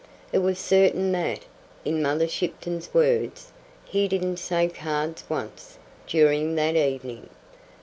It was certain that, in Mother Shipton's words, he "didn't say cards once" during that evening.